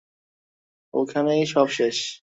ওখানেই সব শেষ।